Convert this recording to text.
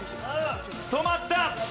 止まった。